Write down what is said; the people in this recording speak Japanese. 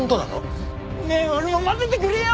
ねえ俺も交ぜてくれよ！